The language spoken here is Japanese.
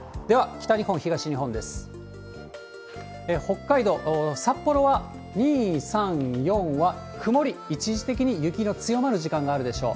北海道札幌は２、３、４は曇り、一時的に雪の強まる時間があるでしょう。